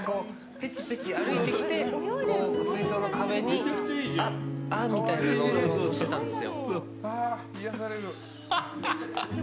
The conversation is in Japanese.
ペチペチ歩いてきて水槽の壁にあ、あ、みたなのを想像してたんですよ。